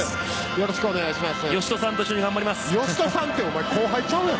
よろしくお願いします。